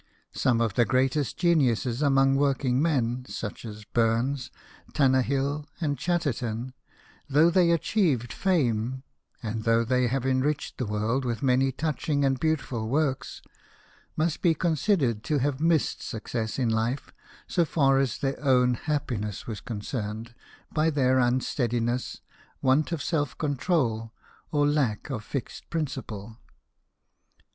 Some of the greatest geniuses among working men, such as Burns, Tannahill, and Chatterton, though they achieved fame, and though they have enriched the world with many touching and beautiful works, must be considered to have missed success in life, so far as their own happiness was concerned, by their unsteadiness, want of self control, or lack of fixed principle.